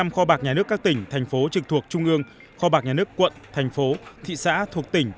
một mươi kho bạc nhà nước các tỉnh thành phố trực thuộc trung ương kho bạc nhà nước quận thành phố thị xã thuộc tỉnh